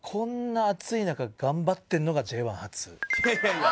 いやいやいや。